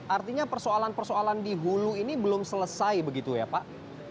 artinya persoalan persoalan di hulu ini belum selesai begitu ya pak